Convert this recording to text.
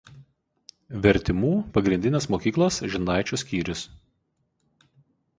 Vertimų pagrindinės mokyklos Žindaičių skyrius.